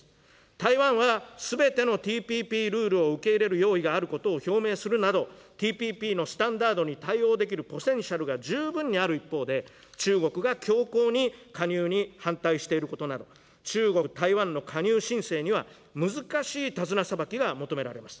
台湾はすべてのＴＰＰルールを受け入れる用意があることを表明するなど、ＴＰＰのスタンダードに対応できるポテンシャルが十分にある一方で、中国が強硬に加入に反対していることなど、中国、台湾の加入申請には、難しい手綱さばきが求められます。